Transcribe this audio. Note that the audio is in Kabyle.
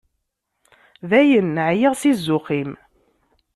Dayen, εyiɣ si zzux-im.